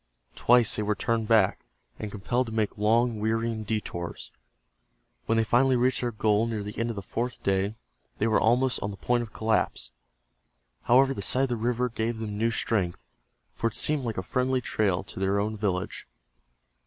Twice they were turned back, and compelled to make long, wearying detours. When they finally reached their goal near the end of the fourth day, they were almost on the point of collapse. However, the sight of the river gave them new strength, for it seemed like a friendly trail to their own village.